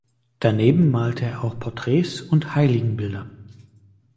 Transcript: Daneben malte er auch Porträts und Heiligenbilder.